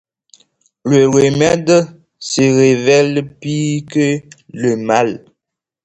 Le remède se révèle pire que le mal.